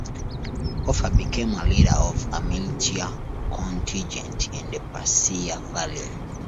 Hofer became a leader of a militia contingent in the Passeier Valley.